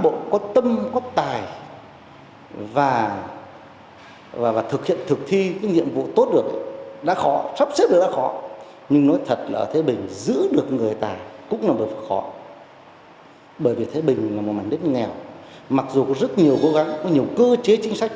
bởi vì thái bình là một mảnh đất nghèo mặc dù có rất nhiều cố gắng có nhiều cơ chế chính sách